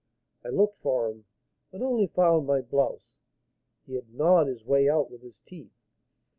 I looked for him, but only found my blouse, he had gnawed his way out with his teeth.